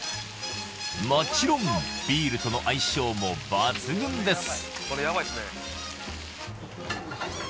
もちろんビールとの相性も抜群です